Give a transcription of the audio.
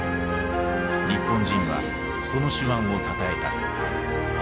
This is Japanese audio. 日本人はその手腕をたたえた。